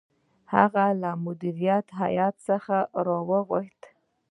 هغه له مدیره هیات څخه وغوښتل.